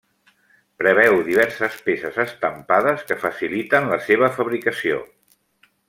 Preveu diverses peces estampades que faciliten la seva fabricació.